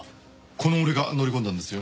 この俺が乗り込んだんですよ。